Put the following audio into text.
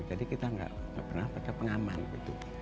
jadi kita gak pernah pakai pengaman gitu